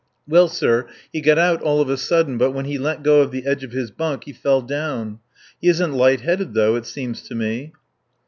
"Well, sir, he got out, all of a sudden, but when he let go the edge of his bunk he fell down. He isn't light headed, though, it seems to me."